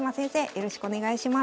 よろしくお願いします。